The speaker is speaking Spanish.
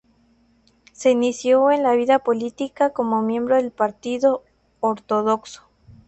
Se inició en la vida política como miembro del Partido Ortodoxo.